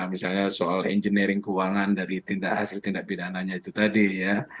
misalnya soal engineering keuangan dari tindak hasil tindak pidananya itu tadi ya